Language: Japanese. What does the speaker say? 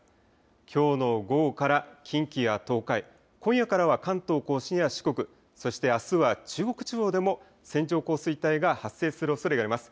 きょうの午後から近畿や東海、今夜からは関東甲信や四国、そしてあすは中国地方でも線状降水帯が発生するおそれがあります。